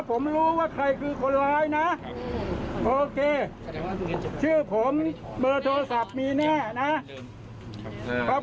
ผมรู้ว่าใครคือคนร้ายนะโอเคชื่อผมเบอร์โทรศัพท์มีแน่นะ